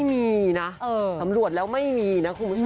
ไม่มีนะสำรวจแล้วไม่มีนะคุณผู้ชม